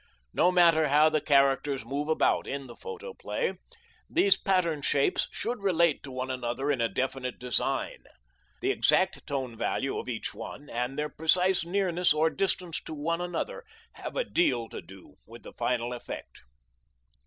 No matter how the characters move about in the photoplay, these pattern shapes should relate to one another in a definite design. The exact tone value of each one and their precise nearness or distance to one another have a deal to do with the final effect.